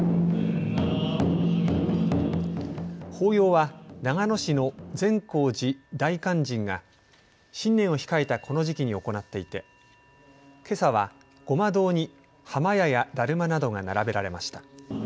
法要は長野市の善光寺大勧進が新年を控えたこの時期に行っていてけさは、護摩堂に破魔矢やダルマなどが並べられました。